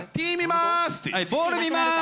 ボール見ます。